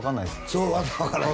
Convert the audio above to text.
そう訳分からん